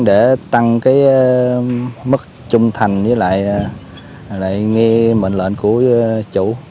để tăng cái mức trung thành với lại nghe mệnh lệnh của chủ